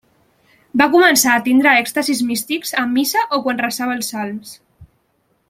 Va començar a tindre èxtasis místics en missa o quan resava els salms.